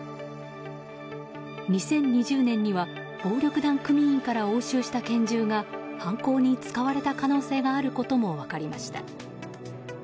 ２０２０年には暴力団組員から押収した拳銃が犯行に使われた可能性があることも分かりました。